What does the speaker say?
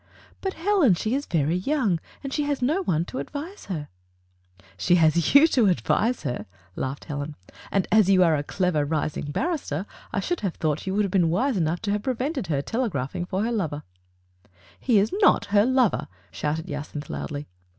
"But, Helen, she is very young, and she has no one to advise her." Digitized by Google F. C, PHILLIPS. ^S "She has you to advise her/' laughed Helen; "and as you are a clever, rising barrister, I should have thought you would have been wise enough to have prevented her telegraphing for her lover/* "He is not her lover, shouted Jacynth loudly.